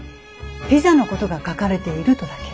ピザのことが書かれているとだけ。